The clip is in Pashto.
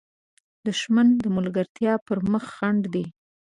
دښمن د ملګرتیا پر مخ خنډ دی